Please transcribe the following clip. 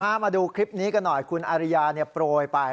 มาดูคลิปนี้กันหน่อยคุณอาริยาโปรยไป